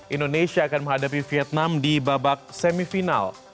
indonesia akan menghadapi vietnam di babak semifinal